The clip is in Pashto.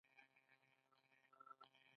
موږ دا شل کاله هلته یو او د هغه هیواد مخافظت کوو.